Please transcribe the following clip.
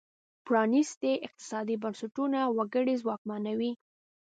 پرانیستي اقتصادي بنسټونه وګړي ځواکمنوي.